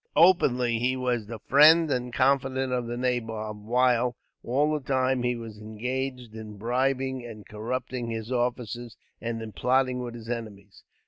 Openly, he was the friend and confidant of the nabob while, all the time, he was engaged in bribing and corrupting his officers, and in plotting with his enemies.